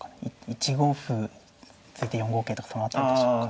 １五歩突いて４五桂とかその辺りでしょうか。